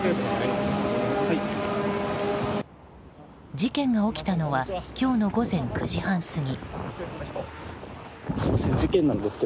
事件が起きたのは今日の午前９時半過ぎ。